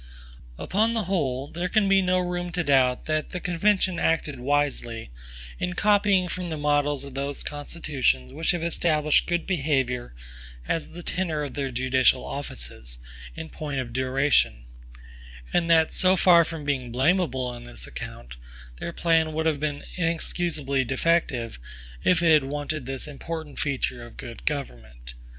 Upon the whole, there can be no room to doubt that the convention acted wisely in copying from the models of those constitutions which have established good behavior as the tenure of their judicial offices, in point of duration; and that so far from being blamable on this account, their plan would have been inexcusably defective, if it had wanted this important feature of good government.